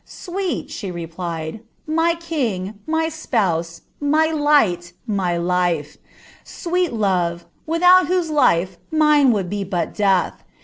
^ Sweet," she replied, ^ my king, my spouse, my light, my life! Sweet love, without whose life mine would be but death !